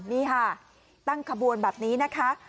นี่ค่ะตั้งขบวนแบบนี้นะคะ